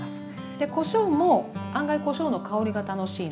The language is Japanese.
でこしょうも案外こしょうの香りが楽しいので。